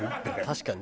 確かに。